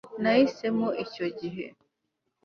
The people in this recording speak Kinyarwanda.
nahisemo icyo gihe